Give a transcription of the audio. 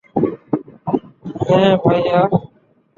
হ্যাঁঁ, ভাইয়া।